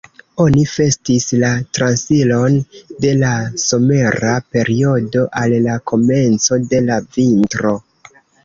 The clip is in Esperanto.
Oni festis la transiron de la somera periodo al la komenco de la vintro.